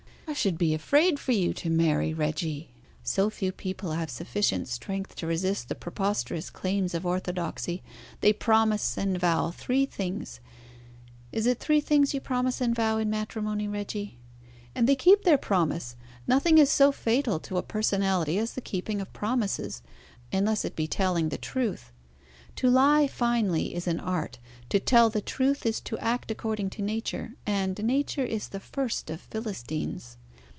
I should be afraid for you to marry, Reggie! So few people have sufficient strength to resist the preposterous claims of orthodoxy. They promise and vow three things is it three things you promise and vow in matrimony, Reggie? and they keep their promise. Nothing is so fatal to a personality as the keeping of promises, unless it be telling the truth. To lie finely is an Art, to tell the truth is to act according to Nature, and Nature is the first of Philistines.